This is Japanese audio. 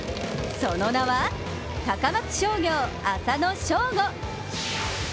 その名は、高松商業・浅野翔吾。